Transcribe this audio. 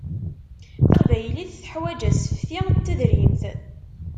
Taqbaylit teḥwaǧ asefti n tedrimt.